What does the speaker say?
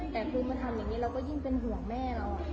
แต่คือมาทำอย่างนี้เราก็ยิ่งเป็นห่วงแม่เรา